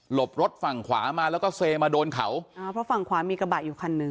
บรถฝั่งขวามาแล้วก็เซมาโดนเขาอ่าเพราะฝั่งขวามีกระบะอยู่คันหนึ่ง